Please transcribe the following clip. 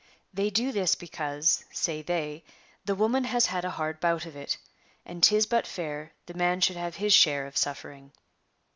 They do this because, say they, the woman has had a hard bout of it, and 'tis but fair the man shoukl have his share of suffering.'